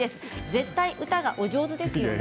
絶対、歌がお上手ですよね。